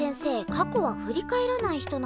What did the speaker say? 過去はふり返らない人なのかな。